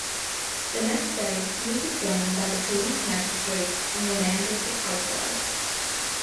The next day he was examined by the Police Magistrate and remanded to Carcoar.